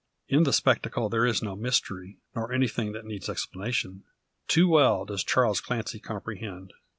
In the spectacle there is no mystery, nor anything that needs explanation. Too well does Charles Clancy comprehend.